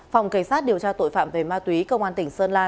phòng cảnh sát điều tra tội phạm về ma túy công an tỉnh sơn la